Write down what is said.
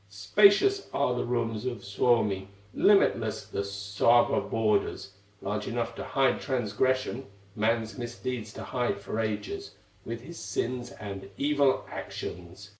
Spacious are the rooms of Suomi, Limitless the Sawa borders, Large enough to hide transgression, Man's misdeeds to hide for ages, With his sins and evil actions.